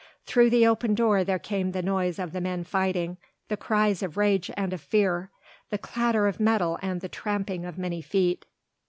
Through the open door there came the noise of the men fighting, the cries of rage and of fear, the clatter of metal and the tramping of many feet.